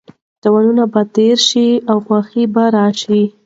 تاوانونه به تېر شي او خوښي به راشي.